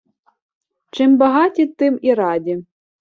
чим багаті, тим і раді